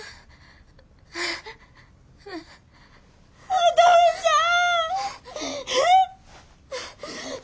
お父ちゃん！